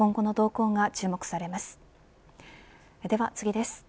今後の動向が注目されます。